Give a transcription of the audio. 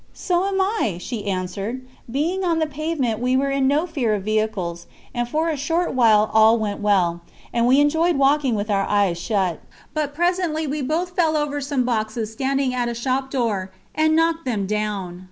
"So am I," she answered. Being on the pavement we were in no fear of vehicles, and for a short while all went well, and we enjoyed walking with our eyes shut; but presently we both fell over some boxes standing at a shop door and knocked them down.